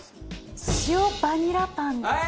塩バニラパンです。